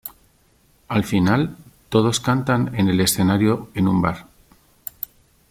Al final, todos cantan en el escenario en un bar.